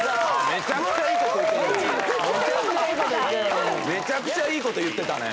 めちゃくちゃいい事言ってたね。